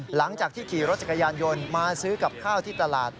หลังจากที่ขี่รถจักรยานยนต์มาซื้อกับข้าวที่ตลาด